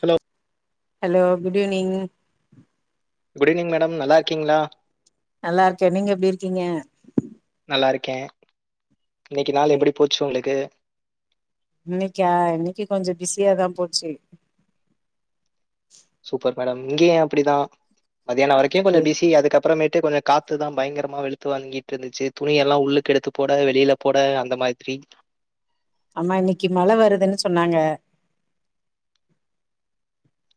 Hello hello good evening good evening madam நல்லாருக்கீங்களா நல்லாருக்கே நீங்க எப்டி இருக்கீங்க இன்னிக்கு நாள் எப்டி போச்சி உங்களுக்கு இன்னிக்கா இன்னிக்கு கொஞ்சோ பிஸியாதா போச்சி சூப்பர் மேடம் இங்கயு அப்டிதா மத்தியானோ வரைக்கு ஓகே கொஞ்சோ பிசி அதுக்கப்புறமேட் டு கொஞ்சோ காத்துதா பயங்கரமா வெளுத்து வாங்கிட்டு இருந்துச்சி துணி எல்லா உள்ளுக்கு எடுத்து போட வெளில போட அந்த மாத்ரி ஆமா இன்னிக்கு மழை வருதுன்னு சொன்னாங்க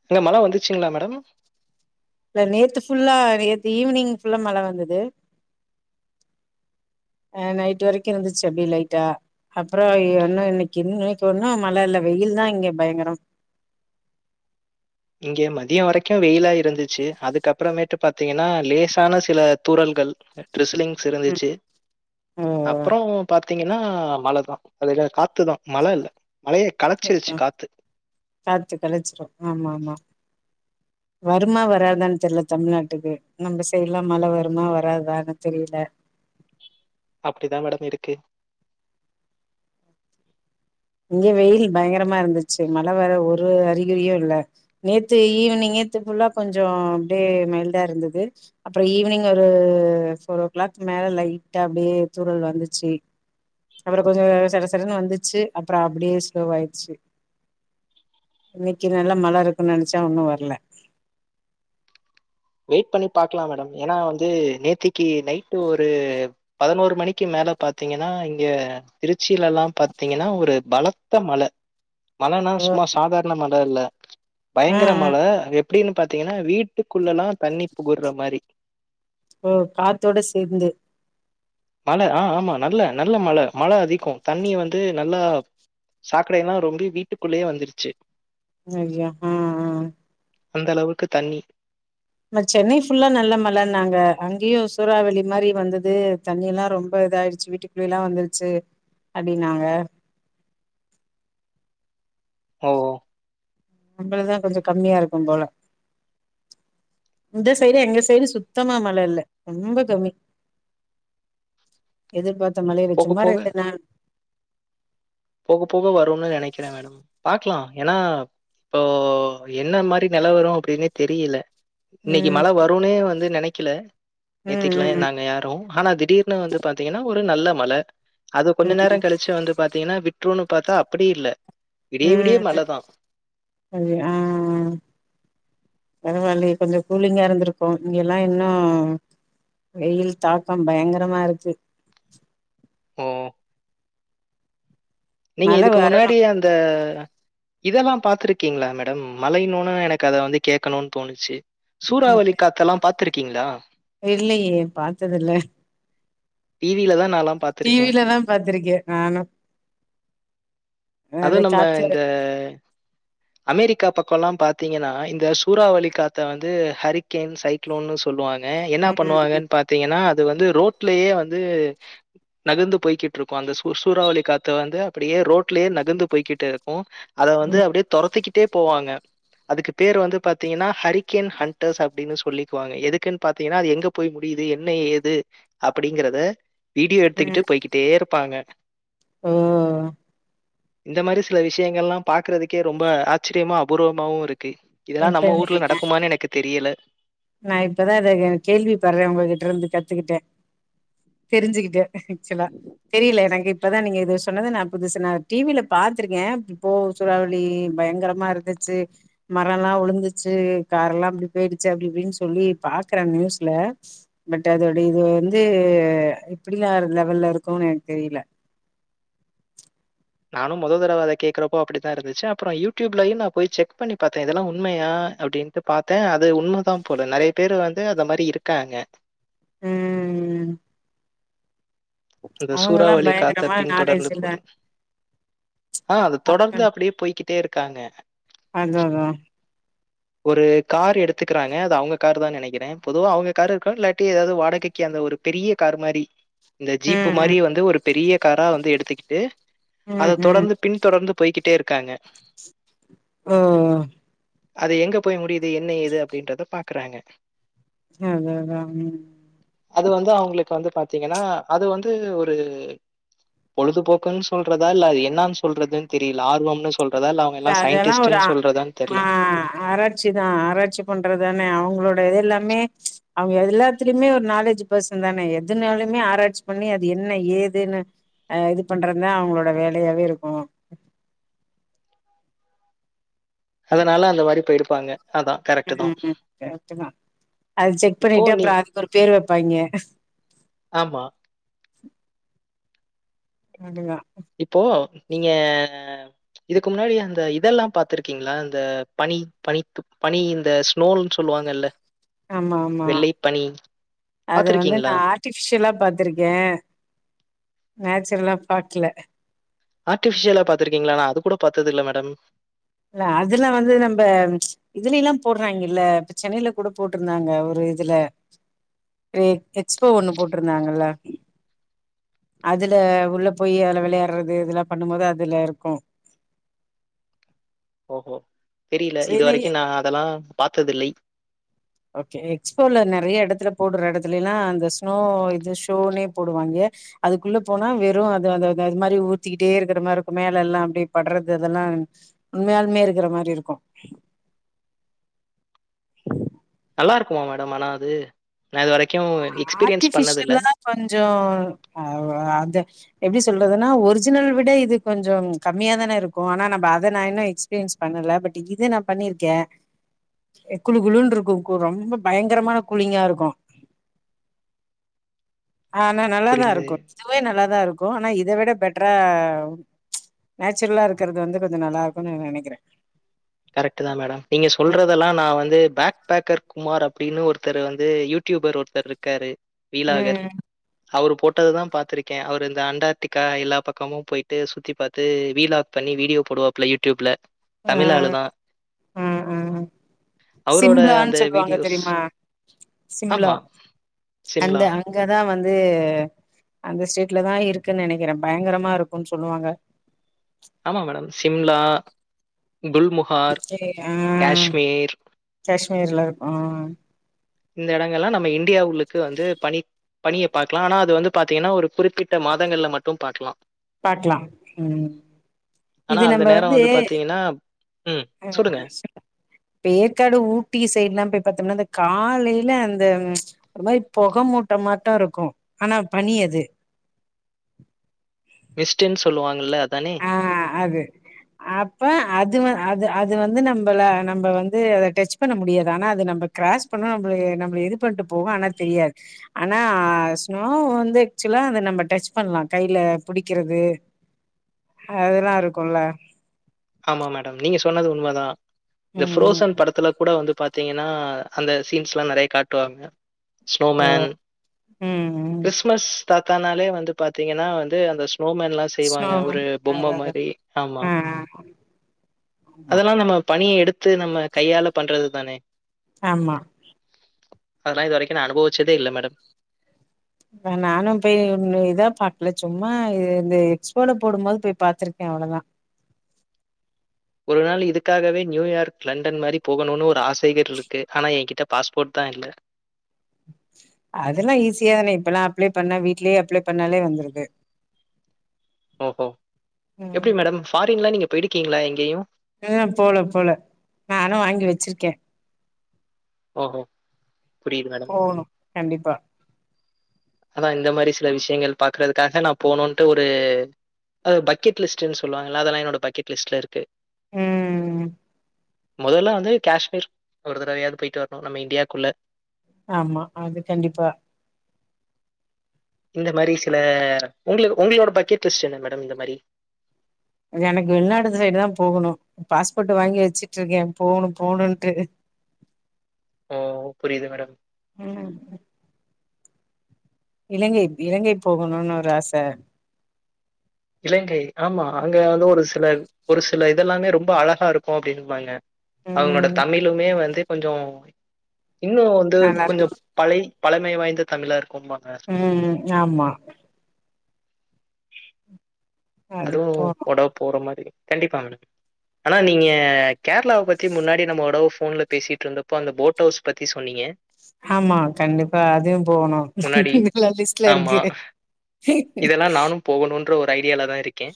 அங்க மழை வந்துச்சிங்களா மேடம் இல்ல நேத்து ஃபுல்லா நேத்து ஈவ்னிங் ஃபுல்லா மழை வந்தது அ நைட்டு வரைக்கு இருந்துச்சி அப்டி லைட்டா அப்புறோ ஒன்னு இன்னிக்கு [unintelligible] ஒன்னு மழை இல்ல வெயில் தா இங்க பயங்கரோ இங்கே மதியம் வரைக்கும் வெயிலா இருந்துச்சு அதுக்கப்புறமேட்டு பாத்தீங்கன்னா லேசான சில தூறல்கள் டிரஸ்லிங்ஸ் ம் இருந்துச்சி ஓ அப்புறோ பாத் தீங்கன்னா மழதா அதுதா காத்துதா மழ இல்ல ம்க்ம் காத்து கழிச்சிரோ ஆமா ஆமா வருமா வராதான் தெர்ல தமிழ்நாட்டுக்கு நம்ம செய்ட்லா மழ வருமா வராதான்னு தெரியில அப்டிதா மேடம் இருக்கு இங்கயு வெயில் பயங்கரமா இருந்துச்சி மழ வர ஒரு அறிகுறியு இல்ல நேத்து ஈவனிங் நேத்து ஃபுல்லா கொஞ்சோ ஆஃப்டே மைல்டா இருந்தது அப்புறோ ஈவ்னிங் ஒரு ஃபோர் ஒ கிளாக் மேல லைட்டா அப்டியே தூறல் வந்துச்சி அப்புறோ கொஞ்சோ சட சடன்னு வந்துச்சி அப்புறோ அப்டியே ஸ்லோவாயிட்ச்சி இன்னிக்கு நல்ல மழை இருக்குன் நென்ச்ச ஒன்னு வர்ல வெயிட் பண்ணி பாக்கலா மேடம் ஏன்னா வந்து நேத்திக்கு நைட்டு ஒரு பதனோரு மணிக்கு மேல பாத்தீங்கன்னா இங்க திரிச் சில எல்லா பாத்தீங்கன்னா ஒரு பலத் த மழ மழன்னா ஓ சும்மா சாதாரண மழ இல்ல பயங்கர ம் மழ ம் அங்க எப்டின்னு பாத்தீங்கன்னா வீட்டுக்குள்ளல்லாத் தண்ணி புகுற்ற மாரி ஒ காத்தோட சேந்து மழ அ ஆமா நல்ல நல்ல மழ மழ அதிகோ தண்ணி வந்து நல்லா சாக்கடைய எல்லா ரொம்பி வீட்டுக்குள்ளயே வந்துருச்சி அய்யோ அ அ அந்த அளவுக்கு தண்ணி நம்ம சென்னை ஃபுல்லா நல்ல மழன்னாங்க அங்கியு சூறாவளி மாரி வந்தது தண்ணி எல்லா ரொம்ப இதாயிடுச்சி வீட்டுக்குள்ள எல்லா வந்துருச்சி அப்டின்னாங்க ஒ நம்மளதா கொஞ்சோ கம்மியாருக்கோம் போல இந்த சைடு எங்க சைடு சுத்தமா மழ இல்ல ரொம்ப கம்மி எதிர்பாத் சும் போக மழயவெச்சும்மாரு போக ரெண்டு நாள் போக போக வரும்னு நெனைக்கிற மேடம் பாக்கலா ஏன்னா இப்போ என்ன மாரி நிலவரோ அப்டின்னே தெரியல இன்னைக்கு மழ ம் வருன்னே வந்து நெனைக்கல நேத்திக்கலா எ ம் ம் நாங்க யாரு ஆனா திடீர்னு வந்து பாத்தீங்கன்னா ஒரு நல்ல மழ அது கொஞ்சோ ம் நேரோ கழிச்சு வந்து பாத்தீங்கன்னா விட் னு பாத்தா அப்டி இல்ல விடிய விடிய ம் மழை தான். ஆ ஆ பரவால்ல கொஞ்சோ கூலிங்கா இருந்துருக்கும் இங்க எல்லா இன்னு வெயில் தாக்கம் பயங்கரமா இருக்கு ம் நீங்க மழ இதுக்கு வரணு முன்னாடி அந்த இதல்லா பாத்துருக்கீங்களா மேடம் மழைய்ணோன்ன எனக்கு அத வந்து கேக்கணுன்னு தோணுச்சி ம் சூறாவளி காத்தெல்லா பாத்துருக்கீங்களா இல்லையே பாத்ததில்ல டீவில தா டீவிலதா பாத்திருக்கே நானும் அதுவு நம்ம இந்த ஹாய் அமெரிக்கா பக்கம் லா பாத்தீங்கன்னா இந்த சூறாவளி காத்து வந்து ஹரிகேன் சைக்ளோன்னு சொ சொல்லுவாங்க என்ன ம் பண்ணுவாங்கன்னு பாத்தீங்கன்னா அது வந்து ரோட்லேயே வந்து நகந்து போய்கிட்டு இருக்கும் அந்த சூ சூறாவளி காத்து வந்து அப்டியே ரோட்லயே நகந்து போய்கிட்டு இருக்கும் அத வந்து ம் அப்டே தொரத்திகிட்டே போவாங்க அதுக்கு பேர் வந்து பாத்தீங்கன்னா ஹரி கென் ஹன்டர்ஸ் அப்டின்னு சொல்லிக்குவாங்க எதுக்குன்னு பாத்தீங்கன்னா அது எங்க போய் முடியுது என்ன ஏது அப்டிங்கறத வீடியோ எடுத்துக்கிட்டு போய்கிட்டே இருப்பாங்க ஓஓ இந்த மாரி சில விஷயங்கள் எல்லா பாக்குறதுக்கு ரொம்ப ஆச்சரியமா அபூர்வமாவும் இருக்கு க்கு இதெல்லா இப்ப நம்ம ஊர்ல நடக்குமான்னு எனக்கு தெரியல நா இப்பதா அத கேள்வி படுற உங்ககிட்ட இருந்து கத்துக்கிட்டன் தெரிஞ்சுக்கிட்டேன் ஆக்சுவலா தெரியல எனக்கு இப்பதா நீங்க இது சொன்னது நா புதுசு நா டீவில பாத்திருக்கேன் இப்போ சூறாவளி பயங்கரமா இருந்துச்சு மர எல்லா உழுந்துச்சு காரெல்லா அப்டி போயிடுச்சு அப்டி அப்டின்னு சொல்லி பாக்குற நியூஸ்ல பட் அதோட இது வந்து இப்டில லெவல்ல இருக்கோனு எனக்கு தெரில நானு முத தடவ அத கேக்குறப்போ அப்டிதா இருந்துச்சு அப்றோ யூ டியூப்லயும் நா போய் செக் பண்ணி பாத்தேன் இதெல்லா உண்மையா அப்டின்ட்டு பாத்தே அது ம் அந்த அவங்கல்லா சூறாவளி காத்த பயங்கரமா நாலேஜ் பின்தொடர்ந்து இல்ல போறது ஆ அத அவங்க தொடர்ந்து அப்டியே போய்கிட்டு கிட்டே இருக்காங்க அதா அதா ஒரு கார் எடுத்துக்கிறாங்க அது அவுங்க காரு தா நெனைக்கிற பொதுவா அவுங்க காரு இருக்கோ இல்லாட்டி ஏதாவது வாடகைக்கு அந்த ஒரு பெரிய கார் மாரி இந்த ஜீப் பு ம் ம் மாரி வந்து ஒரு பெரிய காரா வந்து எடுத்துக்கிட்டு ம் அத ம் தொடர்ந்து பின் தொடர்ந்து பொய்க்கி டே இருக்காங்க ஒ ஒ அது எங்க போய் முடிய்து என்ன ஏது அப்டின்றத பாக்குறாங்க அததா ம் அது வந்து அவுங்ளுக் வந்து பாத்தீங்கனா அது வந் து ஒரு பொலுதுபோக்குன் சொல்றதா இல்ல அத் என்னான் சொல்றதுன் தெரியில ஆர்வம்னு சொல்றதா இல்ல அவங்க எல்லாம் தாஜானா ஒரு சயின்டிஸ்ட்ன்னு அ சொல்றதான்னு தெரியல. ஆ ஆராட்ச்சி தா ஆராட்ச்சி பண்றதானே அவுங்ளோட இது எல்லா மே அவுங்க எதுல்லாத்துலியுமே ஒரு நாலேஜ் பெர்சன் தானே எதுன்யாலுமே ஆராட்சி பண்ணி அது என்ன ஏதுன ஆ இது பண்றமே அவுங்ளோட வேலயாவே இருக்கு அதனால அந்த மாரி பொயிருப்பாங்க ம் கெரட்டுதா அது செக் இப்போ பண்ணிட்டு நீ அப்ற அதுக்கு ஒரு பேர் வெப்பாய்ங்க ஆமா. [unintelligible] இப்போ நீங்க இதுக்கு முன்னாடி அந்த இதெல்லா பாத்துருக்கீங்ளா இந்த பனி பனித்து பனி இந்த ஸ்லோன் சொல்வாங்கல்ல ஆமா ஆமா அது வந்து பார்த்திருக்கீங்களா? நா ஆர்டிபிஷ்யலா பாத்துருக்கே நேச் எதுலா பாக்ல ஆர்டிபிஷ்யலா பாத்துருக்கீங்ளா நா அது கூட பாத்தது இல்ல மேடம் ல்ல அதுல வந்து நம்ப இதுலிலா போட்றாய்ங்கில்ல இப்ப சென்னையல கூட போட்ருந்தாங்க ஒரு இதுல ரு எக்ஸ்போ ஒன்னு போட்ருந்தாங்கல்ல அதுல உள்ள போய் அத்ல வெளையாற்றது இதுலா பண்ணும்மோது அதுல இருக்கு ஓஹோ தெரியில இது சரி வரக்கு நா அதலா பாத்ததுல்லை ஓகே எக்ஸ்போல நெறைய எடத்துல போடுற எடத்துலிலா அந்த ஸ்னோ இது ஷோனே போடுவாங்க அதுக்குள்ள போனா வெறு அது அது அது அது மாரி ஊத்திகிட்டே இருக்குற மாருக்கு மேலெல்லா அப்டே பட்றது அதெல்லா உண்மயாலுமே இருக்குற மாரி இருக்கு நல்லாருக்குமா மேடம் ஆனா அது நான் இதுவரைக்கும் எக்ஸ்பீரியன்ஸ் பண்ணதில்ல. ஆர்டிபிஷ்யலா கொஞ்சொ [unintelligible] அதே எப்டி சொல்றதுனா ஒர்ஜினல் விட இது கொஞ்சொம் கம்மியா தான இருக்கு ஆனா நம்ப அத நா இன்னும் எக்ஸ்பீரியன்ஸ் பண்ணல பட் இது நா பண்ணிருக்கே குலு குலுன்ருக்கு கு ரொம்ப பயங்கரமான குலிங்கா இருக்கு ஆனா நல்லாதா புரியுது. இருக்கு இதுவே நல்லாதா இருக்கு ஆனா இது இத விட பெட்ரா நேச்சுரல்லா இருக்கிறது வந்து கொஞ்ச நல்லாருக்கு ந நெனக்கிறேன் கரெக்டு தா மேடம் நீங்க சொல்றதெல்லா நா வந்து பேக் பேக்கர் குமார் அப்டினு ஒருத்தர் வந்து யூட்யூபர் ஒர்த்தர்ருக்காரு ம் அவுரு போட்டததான் பாத்துருக்கேன் அவுரு இந்த அண்டார்டிக்கா எல்லா பக்கமும் பொயிட்டு சுத்தி பார்த்து வீலாக் பண்ணி வீடியோ போடுவாப்ல யூட்யூப்ல தமில ஆளு ம் தான். ம் ம் அவரோட சிம்ப் லான் அந்த சொல்வாங்க வீடியோஸ் தெரிய்மா சிம்லா ஆமா. அந்த சிம்லா. அங்கதா வந் து ஸ்டேட்லதான் இருக்குன் நெனக்கிறன் பயங்கரமா இருக்குன் சொல்லுவாங்க ஆமா மேடம். சிம்லா, குல்முஹார், [inaudible] காஷ்மீர் கேஷ்மீர்ல இருக்கு இந்த எடங்கலாம் நம்ம இன்டியாவுள்ளுக்கு வந்து பணி பணிய பாக்லா ஆனா அது வந்து பாத்தீங்கன்னா ஒரு குறிப்பிட்ட மாதங்கள்ல மட்டு பாக்கலா பாக்கலா ம் ஆனா இது அந்த நம்ம நேர வந்து பாத்தீங்கன்னா ஏற்காடு ஊட்டி சைடு எல்லா போய் பாத்தம்னா காலைல அந்த ப்ச் ஒரு மாரி பொகை மூட்ட மாட்டொ இருக்கு ஆனா பனி அது மிஸ்ட்ன்னு சொல்லுவாங்கல்ல அதானே? ஆ அது அப்ப அது வ அது அது வந்து நம்பள நம்ம வந்து அதை டச் பண்ண முடியாது ஆனா அது நம்ம கிராஸ் பண்ணு நம்ளய நம்ளய இது பண்ட்டு போகு ஆனா தெரியாது ஆனா ஸ்னோ வந்து ஆக்சுவலா அத நம்ம டச் பண்லா கைல புடிக்கிறது அதெல்லா இருக்குல்ல ஆமா மேடம் நீங்க சொன்னது உண்ம தா இந்த ம் ஃப்ரோஸன் படத்துல கூட வந்து பா பாத்தீங்கன்னா அந்த சீன்ஸ் எல்லா நறைய காட்டுவாங்க ஓ ஸ்னோமேன் ம் ம் கிறிஸ்மஸ் தாத்தானாலே வந்து பாத்தீங்கன்னா வந்து அந்த ஸ்னோமேன்ல்லா செய்வாங்க ஒரு ஸ்னோமேன் அது பொம்ம அது மாரி ஆமா ஆ ஆ ஆமா. அதெல்லா நம்ம பனிய எடுத்து நம்ம கையால பண்றது தானே ஆமா அதெல்லா இது வரைக்கு நா அனுபவிச்சதே இல்ல மேடம் நானும் போய் இன்னு இதா பாக்ல சும்மா இது இந்த எக்ஸ்போல போடும்போது போய் பாத்துருக்கே அவ்ளதா ஒரு நாள் இதுக்காகவே நியூயார்க் லண்டன் மாரி போகணுன்னு ஒரு ஆசைகள் இருக்கு ஆனா எங்கிட்ட பாஸ்போட் தா இல்ல அதெல்லா ஈஸிதானே இப்பல்லா அப்ளை பண்ணா வீட்லயே அப்ளை பண்ணாலே வந்துருது ஓஹோ ம். எப்பிடி மேடம் ஃபாரின்ல நீங்க போயிருக்கீங்ளா எங்கேயு ம் போவ்ல போல நானு வாங்கி வச்சிருக்கே ஓஹோ புரியுது மேடம். போகணு கண்டிப்பா ஆனா இந்த மாரி சில விஷயங்கள் பாக்குறதுக்காக நா போனுன்ட்டு ஒரு பக்கெட் லிஸ்ட்ன்னு சொல்லுவாங்கல்ல அதெல்லா என்னோட பக்கெட் லிஸ்ட்ல இருக்கு ம் மொதல்லா வந்து காஷ்மீர் ஒரு தடவையாது போயிட்டு வரணு நம்ம இண்டியாக்குள்ள ஆமா அது கண்டிப்பா இந்த மாரி சில உங்க உங்களோட பக்கெட் லிஸ்ட் என்ன மேடம் இந்த மாரி எனக்கு வெளிநாடு சைடு தா போகணு பாஸ்போட் வாங்கி வச்சுட்ருக்கே போகணு போகணுன்ட்டு ஓ புரியுது மேடம். ம் இலங்கை இலங்கை போகணுன் ஒரு ஆச இலங்கை ஆமா அங்க வந்து ஒரு சிலர் ஒரு சில இதெல்லாமே ரொம்ப அழகா இருக்கு அப்படின்னுபாங்க அவங்களோட ம் தமிழுமே வந்து கொஞ்சொ இன்னு வந்து நல்லா கொஞ்ச இருக்கு பழை பழமை வாய்ந்த தமிழர் ம் ம் ஆமா அதுவு அதுக்கு போனு ஒடவ் போர்ற மாரி கண்டிப்பா மேடம் ஆனா நீங்க கேர்ளாவப் பத்தி முன்னாடி நம்ம ஒடவ ஃபோன்ல பேசிட்ருந்தப்போ அந்த போட்டவுஸ் பத்தி சொன்னீங்க ஆமா கண்டிப்பா அதியு போணு முன்னாடி. எல்லா லிஸ்ட்ல இருக்கு இதெல்லா நானும் போகணுன் ன்ற ஒரு ஐ டியால தா இருக்கே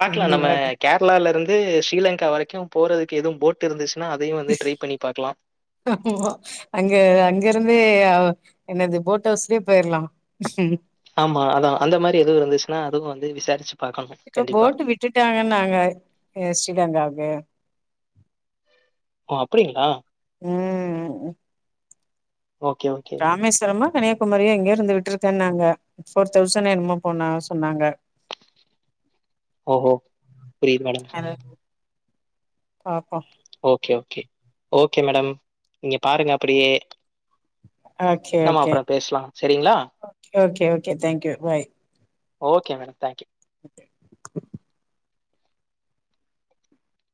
பாக்லா நம்ம கண்டிப்பாக கேர்ளாலருந் து ஸ்ரீலங்கா வரைக்கு போறதுக்கு எதுவும் போட் இருந்துச் ஆமா அங்க அங்கருந்தே என்னது போட் ஹவுஸ்லயே போயர்லா ஆமா அதா அந்த மாரி எதுவு இருந்துச்சுனா து வந்து விசாரிச் இப்ப போட்டு விட்டுட்டாங்கன்னாங்க எ ஶ்ரீலங்காவுக்கு ஓ அப்டிங்ளா இராமேஸ்வரமா கன்னியாகுமரியோ எங்கயோ இருந்து விட்ருக்கன்னாங்க ஃபோர் தௌசண் என்னமோ போனா சொன்னாங்க ஓஹோ ஃப்ரீ மேடம் அது பாப்போ ஓகே ஓகே ஓகே மேடம் நீங்க பாருங்க அப்டியே ஆகே ஓகே சரிங்களா? Okay okay okay thank you bye okay madam thank you